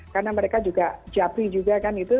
karena mereka juga jabri juga kan itu